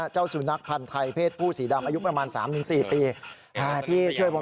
เจ้าสุนัขพันธ์ไทยเพศผู้สีดำอายุประมาณ๓๔ปีช่วยผม